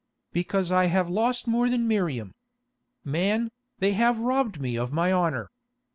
"Because I have lost more than Miriam. Man, they have robbed me of my honour.